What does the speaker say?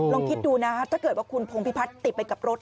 ลองคิดดูนะถ้าเกิดว่าคุณพงพิพัฒน์ติดไปกับรถ